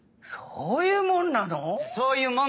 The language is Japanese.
そういうもんなの！